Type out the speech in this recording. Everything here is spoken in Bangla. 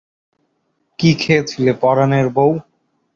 কী খেয়েছিলে পরাণের বৌ?